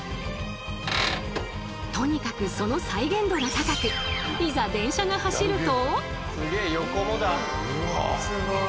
とにかくその再現度が高くいざ電車が走ると。